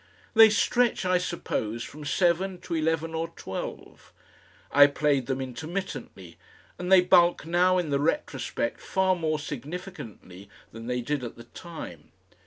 They stretch, I suppose, from seven to eleven or twelve. I played them intermittently, and they bulk now in the retrospect far more significantly than they did at the time.